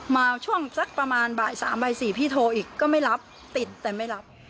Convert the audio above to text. มาช่วงสักประมาณบ่าย๓บ่าย๔พี่โทรอีกก็ไม่รับติดแต่ไม่รับ